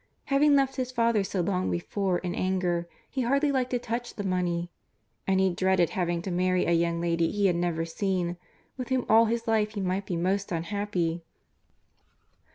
Having left his father so long before in anger, he hardly liked to touch the money. And he dreaded having to marry a young lady he had never seen, with whom all his life he might be most unhappy.